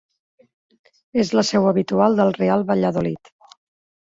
És la seu habitual del Real Valladolid.